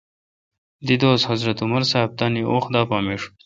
دیدوس حضرت عمر صاب تانی وخ دا میݭ گو۔